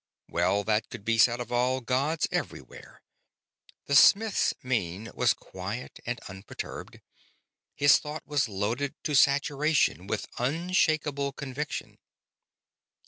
"Well, that could be said of all gods, everywhere." The smith's mien was quiet and unperturbed; his thought was loaded to saturation with unshakable conviction.